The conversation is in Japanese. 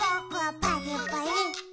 パリッパリ。